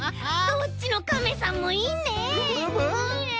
どっちのカメさんもいいね。